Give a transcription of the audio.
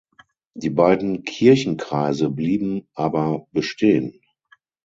Die beiden Kirchenkreise blieben aber bestehen.